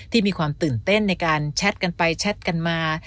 ที่มีความตื่นเต้นในการแชทกันไปแชทกันมา